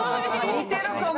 似てるかも！